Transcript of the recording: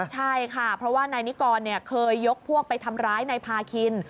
ใช่ค่ะเพราะว่านายนิกรเคยยกพวกไปทำร้ายนายพาคิน